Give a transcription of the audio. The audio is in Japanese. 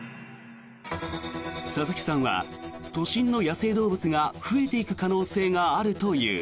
佐々木さんは都心の野生動物が増えていく可能性があるという。